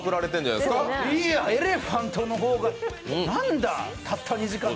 いや、「エレファント」の方がなんだたった２時間で。